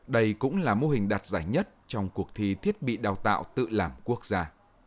đây cũng là mô hình đạt giải nhất trong cuộc thi thiết bị đào tạo tự làm quốc gia